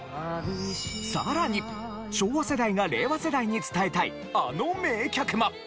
さらに昭和世代が令和世代に伝えたいあの名曲も！